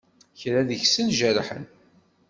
Kra deg-sen jerḥen.